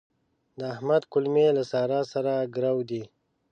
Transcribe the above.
د احمد کولمې له سارا سره ګرو دي.